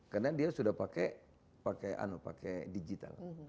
karena dia sudah pakai pakai digital